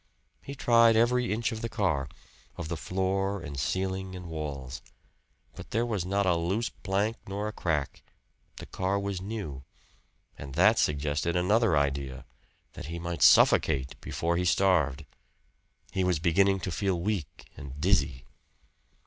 He tried every inch of the car of the floor and ceiling and walls. But there was not a loose plank nor a crack the car was new. And that suggested another idea that he might suffocate before he starved. He was beginning to feel weak and dizzy.